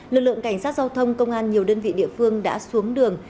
lực lượng cảnh sát giao thông công an nhiều đơn vị địa phương đã xuống đường